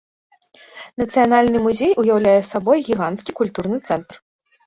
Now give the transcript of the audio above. Нацыянальны музей уяўляе сабой гіганцкі культурны цэнтр.